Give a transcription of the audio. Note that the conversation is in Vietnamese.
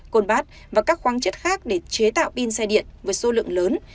côn bát và các khoáng chất khác để chế tạo pin xe điện với số lượng lớn